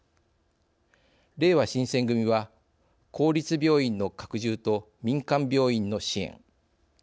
れいわ新選組は、「公立病院の拡充と民間病院の支援」。